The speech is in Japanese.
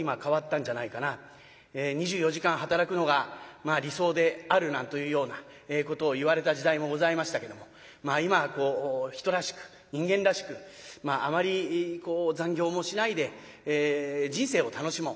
２４時間働くのが理想であるなんというようなことを言われた時代もございましたけども今はこう人らしく人間らしくあまり残業もしないで人生を楽しもう。